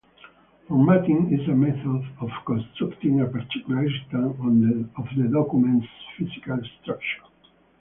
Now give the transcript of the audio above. Formatting is a method of constructing a particular instance of the document's physical structure.